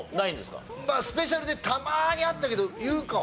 まあスペシャルでたまにあったけど優香は。